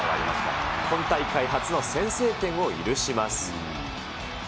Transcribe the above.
今大会初の先制点を許します。